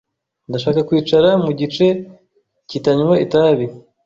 Ndashaka kwicara mu gice kitanywa itabi.